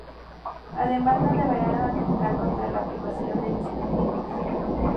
Además, no deberán atentar contra la privacidad de los individuos.